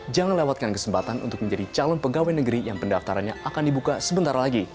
jangan lewatkan kesempatan untuk menjadi calon pegawai negeri yang pendaftarannya akan dibuka sebentar lagi